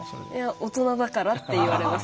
大人だからって言われました。